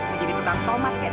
mau jadi tukang tomat kan